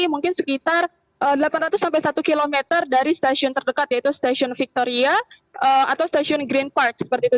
mungkin sekitar delapan ratus sampai satu km dari stasiun terdekat yaitu stasiun victoria atau stasiun green park seperti itu